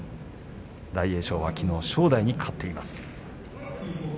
大栄翔はきのう正代に勝っています。